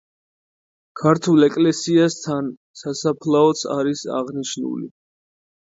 ქართულ ეკლესიასთან სასაფლაოც არის აღნიშნული.